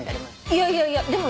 いやいやいやでも。